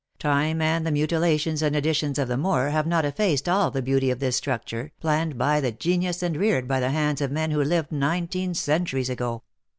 Time, and the mutilations and additions of the Moor, have not effaced all the beauty of this structure, planned by the genius and reared by the hands of men who lived nineteen centuries ago.